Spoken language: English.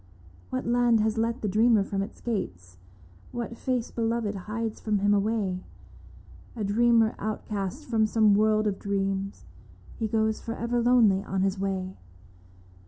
What land has let the dreamer from its gates, What face beloved hides from him away ? A dreamer outcast from some world of dreams — He goes for ever lonely on his way.